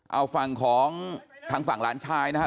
เอาฟังของทางฝั่งหลานชายนะครับ